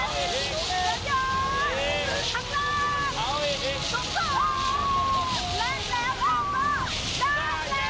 ได้แล้วค่า